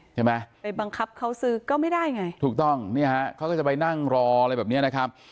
ใช่ไหมไปบังคับเขาซื้อก็ไม่ได้ไงถูกต้องเนี่ยฮะเขาก็จะไปนั่งรออะไรแบบเนี้ยนะครับ